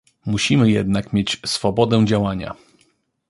Musimy jednak mieć swobodę działania